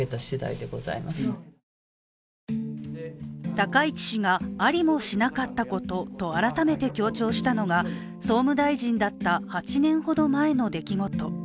高市氏がありもしなかったことと改めて強調したのが、総務大臣だった８年ほど前の出来事。